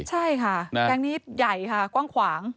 ใช่ค่ะแก๊งนี้ใหญ่ค่ะกว้างขวาง